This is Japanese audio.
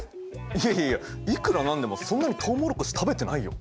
いやいやいくらなんでもそんなにとうもろこし食べてないよ。